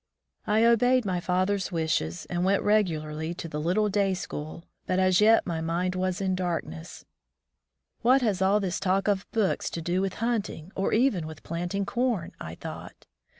I obeyed my father's wishes, and went regularly to the little day school, but as yet my mind was in darkness. What has all this 25 From the Deep Woods to Civilization talk of books to do with hunting, or even with planting com? I thought.